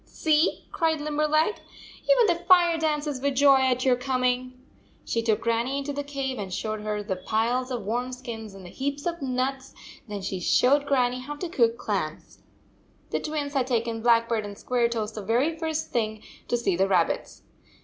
"See," cried Limberleg, "even the fire dances with joy at your coming." She took Grannie into the cave and showed her the piles of warm skins, and the heaps of nuts: then she showed Gran nie how to cook clams. 158 The Twins had taken Blackbird and Squaretoes the very first thing to see the rabbits.